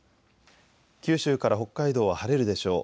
九州から北海道は晴れるでしょう。